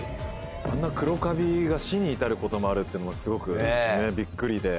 あんな黒カビが死に至ることもあるっていうのがすごくびっくりで。